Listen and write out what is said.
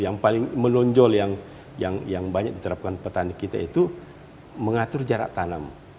yang paling menonjol yang banyak diterapkan petani kita itu mengatur jarak tanam